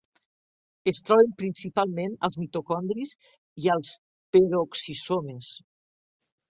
Es troben principalment als mitocondris i als peroxisomes.